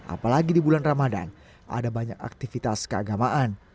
apalagi di bulan ramadan ada banyak aktivitas keagamaan